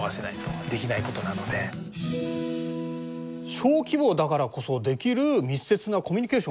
小規模だからこそできる密接なコミュニケーション。